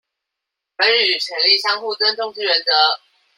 本於權力相互尊重之原則